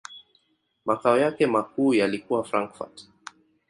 Makao yake makuu yalikuwa Frankfurt.